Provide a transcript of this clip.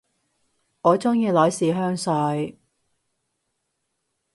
我鍾意女士香水